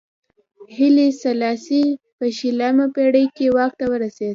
هیلي سلاسي په شلمه پېړۍ کې واک ته ورسېد.